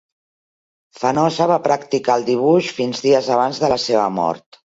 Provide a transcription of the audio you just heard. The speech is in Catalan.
Fenosa va practicar el dibuix fins dies abans de la seva mort.